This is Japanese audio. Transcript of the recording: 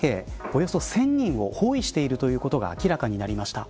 およそ１０００人を包囲していることが明らかになりました。